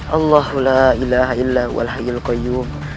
allahulailahaillahu alaihi ala kayyu